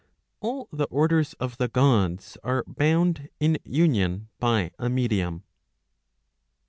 All the orders of the Gods are bound in union by a medium.